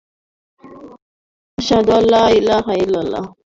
পিতা যদি কোন প্রকার হানি করেন।